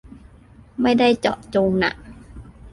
ไม่ได้เจาะจงน่ะ